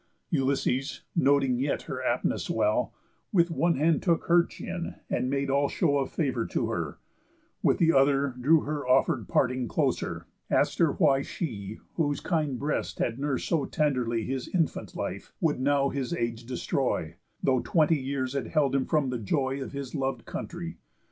Ulysses, noting yet her aptness well, With one hand took her chin, and made all show Of favour to her, with the other drew Her offer'd parting closer, ask'd her why She, whose kind breast had nurs'd so tenderly His infant life, would now his age destroy, Though twenty years had held him from the joy Of his lov'd country?